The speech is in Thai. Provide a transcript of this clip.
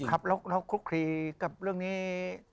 ครับแล้วคุกคลีกับเรื่องนี้